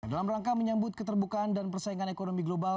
dalam rangka menyambut keterbukaan dan persaingan ekonomi global